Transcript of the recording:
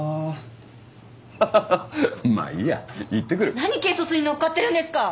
何軽率に乗っかってるんですか！